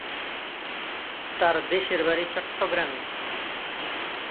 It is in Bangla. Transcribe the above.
তার দেশের বাড়ি চট্টগ্রামে।